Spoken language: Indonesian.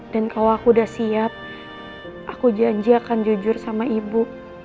dan kalau aku udah siap aku janji akan jujur sama ibu